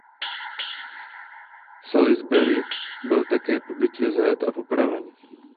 Salisbury byl také po bitvě zajat a popraven.